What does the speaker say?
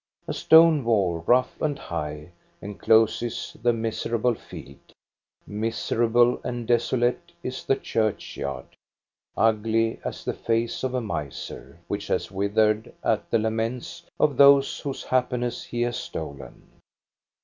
A stone wall, rough and high, encloses the miserable field. Miserable and desolate is the churchyard, ugly as the face of a miser, which has withered at the laments of those whose happiness he \ THE CHURCHYARD 351 has stolen.